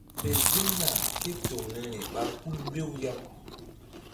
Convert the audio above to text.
Fe ziŋna ke toŋ niri ɓa hul mbew yaŋ.